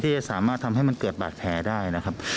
จะสามารถทำให้มันเกิดบาดแผลได้นะครับ